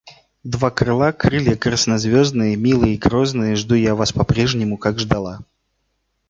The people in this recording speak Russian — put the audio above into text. Два крыла, Крылья краснозвездные, Милые и грозные, Жду я вас по-прежнему, Как ждала.